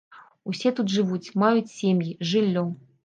Усе тут жывуць, маюць сем'і, жыллё.